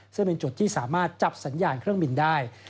ซึ่งเป็นจุดที่สามารถจับสัญญาณเครื่องบินได้